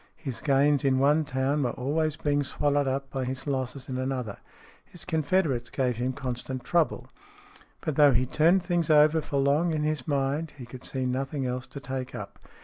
His gains in one town were always being swallowed up by his losses in another. His confederates gave him constant trouble. But though he turned things over for long in his mind, he could see nothing else to take up.